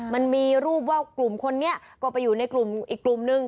มันมีรูปว่ากลุ่มคนนี้ก็ไปอยู่ในกลุ่มอีกกลุ่มนึง